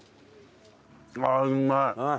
ああうまい。